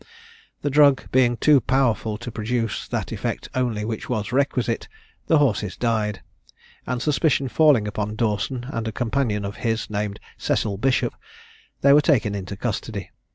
The drug being too powerful to produce that effect only which was requisite, the horses died, and suspicion falling upon Dawson and a companion of his named Cecil Bishop, they were taken into custody.